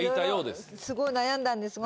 すごい悩んだんですが。